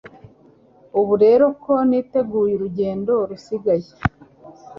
ubu rero ko niteguye urugendo rusigaye